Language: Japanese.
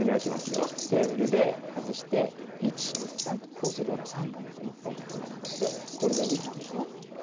テーブルで外して１２３とこうするとほら３本と１本がつながってこれで２本と２本。